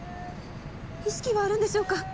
意識はあるんでしょうか。